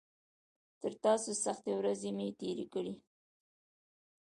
تر تاسو سختې ورځې مې تېرې کړي.